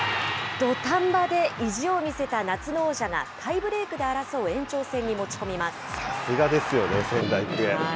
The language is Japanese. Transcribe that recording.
土壇場で意地を見せた夏の王者がタイブレークで争う延長戦にさすがですよね、仙台育英。